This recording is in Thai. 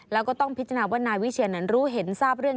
แล้วก็ต้องพิจารณาว่านายวิเชียนนั้นรู้เห็นทราบเรื่อง